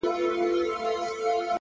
نن ملا په خوله کي بيا ساتلی گاز دی’